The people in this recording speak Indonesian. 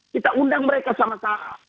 kita undang mereka sama taat